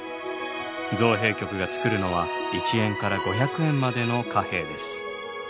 造幣局が造るのは一円から五百円までの貨幣です。